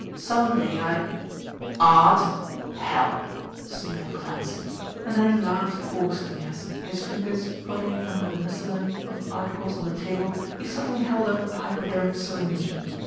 Some day I " "Art hell!" sneered Clancy; and then he laughed coarsely, as, his fingers prodding under the miscellany of articles on the table, he suddenly held up a hypodermic syringe.